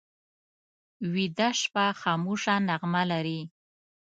ویده شپه خاموشه نغمه لري